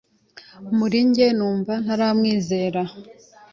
Muri jye numva ntaramwizera